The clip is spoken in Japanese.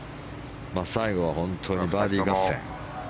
最後は本当にバーディー合戦。